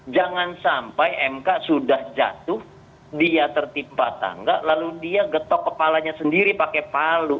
jangan sampai mk sudah jatuh dia tertimpa tangga lalu dia getok kepalanya sendiri pakai palu